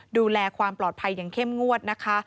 ดูแลความปลอดภัยอย่างเข้มงวดนะคะ